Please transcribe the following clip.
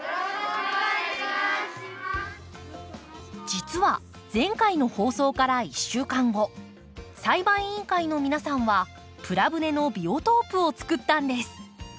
実は前回の放送から１週間後栽培委員会の皆さんはプラ舟のビオトープを作ったんです。